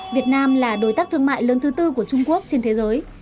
việt nam là đối tác thương mại lớn thứ tư của trung quốc trên thế giới